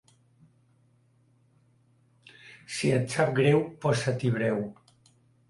Si et sap greu, posa-t'hi breu.